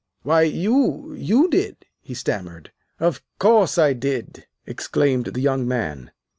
"Why, you you did," he stammered. "Of course I did!" exclaimed the young man.